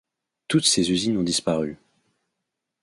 Toutes ces usines ont disparu.